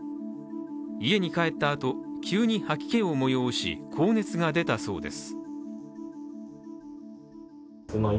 家に帰ったあと、急に吐き気をもよおし、高熱が出たそうです。